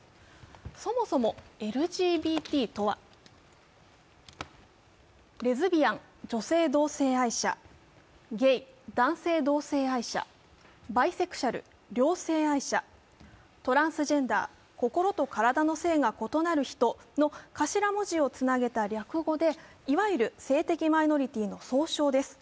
そもそもＬＧＢＴとは、レズビアン＝女性同性愛者、ゲイ＝男性同性愛者、バイセクシャル＝両性愛者トランスジェンダー＝心と体の性が異なる人頭文字をつなげた略語でいわゆる性的マイノリティーの総称です。